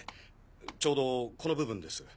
ちょうどこの部分です。